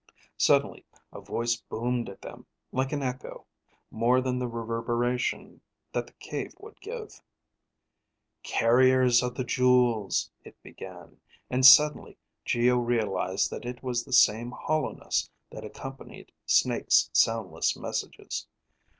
Suddenly a voice boomed at them, like an echo, more than the reverberation that the cave would give. "Carriers of the jewels," it began, and suddenly Geo realized that it was the same hollowness that accompanied Snake's soundless messages.